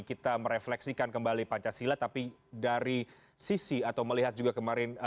kita merefleksikan kembali pancasila tapi dari sisi atau melihat juga kemarin